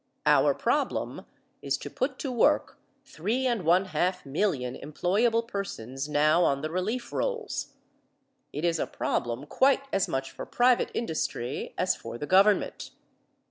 Our problem is to put to work three and one half million employable persons now on the relief rolls. It is a problem quite as much for private industry as for the government.